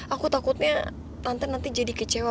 aku takutnya tante nanti jadi kecewa